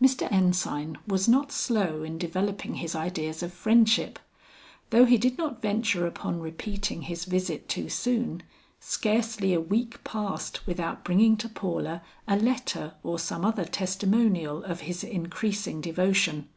Mr. Ensign was not slow in developing his ideas of friendship. Though he did not venture upon repeating his visit too soon, scarcely a week passed without bringing to Paula a letter or some other testimonial of his increasing devotion.